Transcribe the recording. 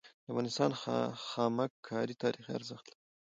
د افغانستان خامک کاری تاریخي ارزښت لري.